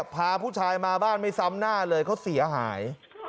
พาผู้ชายมาบ้านไม่ซ้ำหน้าเลยเขาเสียหาย